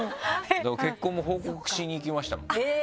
結婚も報告しに行きましたもん。